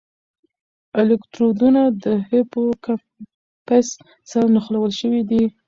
الکترودونه د هیپوکمپس سره نښلول شوي دي.